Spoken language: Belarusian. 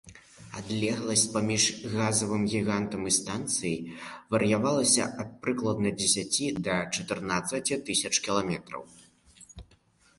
Адлегласць паміж газавым гігантам і станцыяй вар'іравалася ад прыкладна дзесяці да чатырнаццаці тысяч кіламетраў.